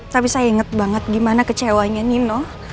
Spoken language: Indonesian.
tapi saya ingat banget gimana kecewanya nino